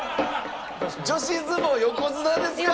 女子相撲横綱ですか？